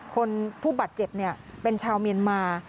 ผู้บาดเจ็บเป็นชาวเมียนมา